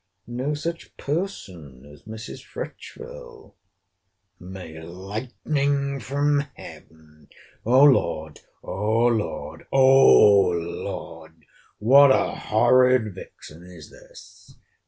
—No such person as Mrs. Fretchville.—May lightning from Heaven—O Lord, O Lord, O Lord!—What a horrid vixen is this!